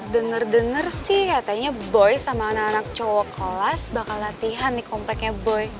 dengar dengar sih katanya boy sama anak anak cowok kolas bakal latihan nih kompleknya boy